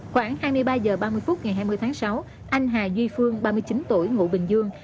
khoảng hai mươi ba h ba mươi phút ngày hai mươi tháng sáu anh hà duy phương ba mươi chín tuổi ngụ bình dương